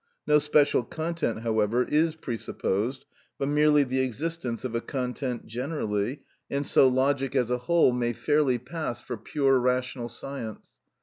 No special content, however, is presupposed, but merely the existence of a content generally, and so logic as a whole may fairly pass for pure rational science.